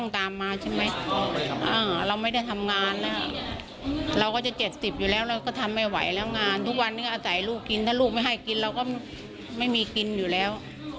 ถ้าลูกไม่ให้กินเราก็ไม่มีกินอยู่แล้ว